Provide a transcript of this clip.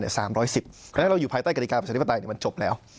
และเราอยู่ภายใต้กรรยากาศรภาษภัยมันจบแล้ว